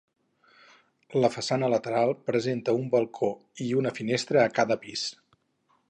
La façana lateral presenta un balcó i una finestra a cada pis.